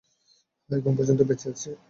হ্যাঁ, এখন পর্যন্ত বেঁচে আছি!